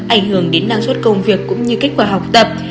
ảnh hưởng đến năng suất công việc cũng như kết quả học tập